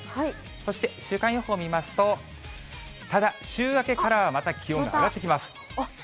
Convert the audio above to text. そして週間予報見ますと、ただ、週明けからはまた気温が上がってまた。